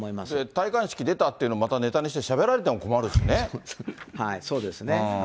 戴冠式出たっていうのをまたネタにしてしゃべられても困るしそうですね。